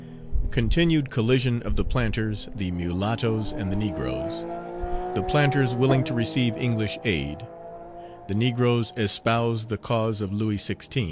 Continued collision of the planters, the mulattoes, and the negroes The planters willing to receive English aid The negroes espouse the cause of Louis XVI.